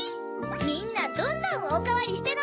みんなどんどんおかわりしてな！